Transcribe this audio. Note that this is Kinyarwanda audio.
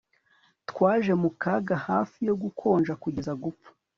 twaje mu kaga hafi yo gukonja kugeza gupfa